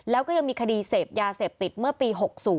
แล้วก็ยังมีคดีเสพยาเสพติดเมื่อปี๖๐